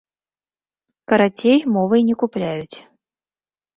Карацей, мовай не купляюць.